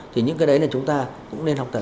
thì những cái đấy là chúng ta cũng nên học tập